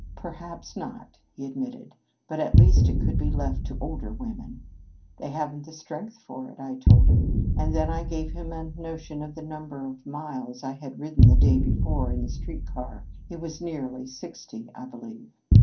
'Perhaps not,' he admitted. 'But at least it could be left to older women.' 'They haven't the strength for it,' I told him, and then I gave him a notion of the number of miles I had ridden the day before in the street car it was nearly sixty, I believe.